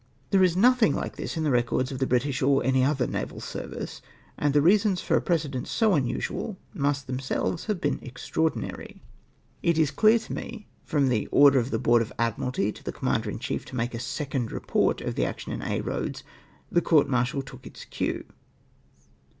There is nothing like this in the records of the British or any other naval service, and the reasons for a precedent so unusual must themselves have been ex traordinary. It is clear to me, that from the order of the Board of Admii alty to the Commander in chief to make a second report of the action in Aix Eoads the coml martial took its cue.